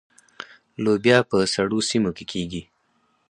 لوبیا په سړو سیمو کې کیږي.